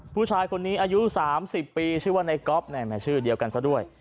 ผู้ชายคนนี้อายุ๓๐ปีชื่อว่าในก๊อฟชื่อเดียวกันซะด้วย